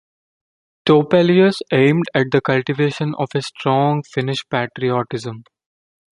Topelius aimed at the cultivation of a strong Finnish patriotism.